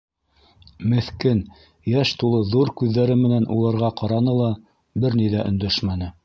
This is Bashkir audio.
Меҫкен йәш тулы ҙур күҙҙәре менән уларға ҡараны ла, бер ни ҙә өндәшмәне.